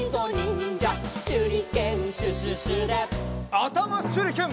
あたましゅりけん！